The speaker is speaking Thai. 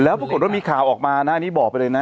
แล้วปรากฏว่ามีข่าวออกมานะอันนี้บอกไปเลยนะ